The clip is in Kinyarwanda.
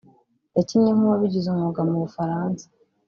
yakinnye nk’uwabigize umwuga mu Bufaransa